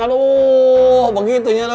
aduh begitunya doi ya